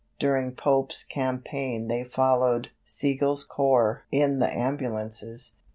During Pope's campaign they followed Sigel's corps in the ambulances.